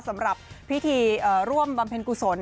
สำหรับพิธีร่วมบำเพ็ญกุศล